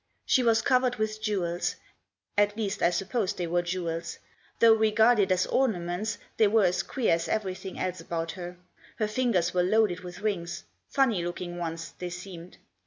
She was covered with jewels ; at least, I suppose they were jewels. Though, regarded as ornaments, they were as queer as everything else about her. Her fingers were loaded with rings ; funny looking ones they seemed.